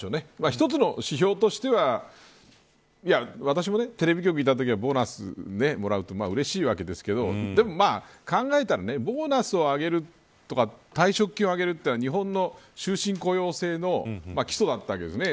一つの指標としては私もテレビ局にいたときはボーナスもらうとうれしいわけですけどでも考えたらボーナスを上げるとか退職金を上げるというのは日本の終身雇用制の基礎だったわけですよね。